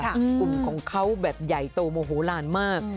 กลุ่มของเขาแบบใหญ่โตโมโหลานมาก